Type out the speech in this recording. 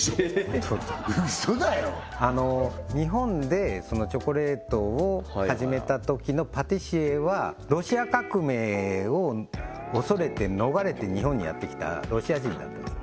ホントホント日本でチョコレートを始めたときのパティシエはロシア革命を恐れて逃れて日本にやってきたロシア人だったんです